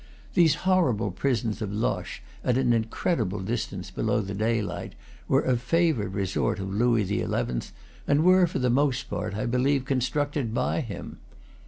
These horrible prisons of Loches, at an incredible distance below the daylight, were a favorite resource of Louis XI., and were for the most part, I believe, constructed by him.